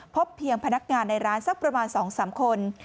พบเพียงพนักงานในร้านสักประมาณ๒๓คน